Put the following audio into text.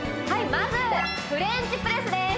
まずフレンチプレスです